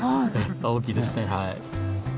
大きいですね。